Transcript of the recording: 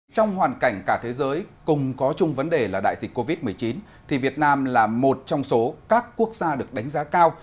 trong hoàn cảnh cả thế giới cùng có chung vấn đề là đại dịch covid một mươi chín thì việt nam là một trong số các quốc gia được đánh giá cao